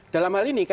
dalam hal ini